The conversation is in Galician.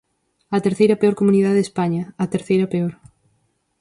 A terceira peor comunidade de España, a terceira peor.